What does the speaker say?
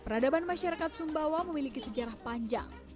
peradaban masyarakat sumbawa memiliki sejarah panjang